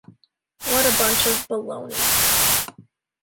What a bunch of baloney!